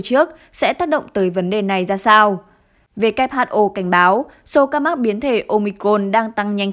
trước sẽ tác động tới vấn đề này ra sao who cảnh báo số ca mắc biến thể omicol đang tăng nhanh